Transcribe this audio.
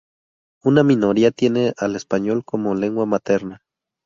Una minoría tiene al español como lengua materna.